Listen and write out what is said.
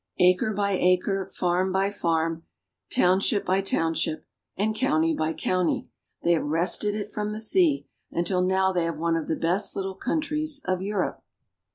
Acre by acre, farm by farm, township by township, and county by county, they have wrested it from the sea, until now they have one of the best little countries of Europe.